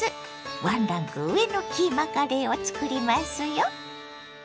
ワンランク上のキーマカレーをつくりますよ。